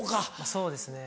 そうですね。